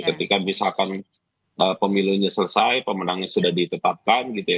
ketika misalkan pemilunya selesai pemenangnya sudah ditetapkan gitu ya